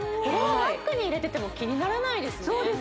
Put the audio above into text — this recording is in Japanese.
バッグに入れてても気にならないですね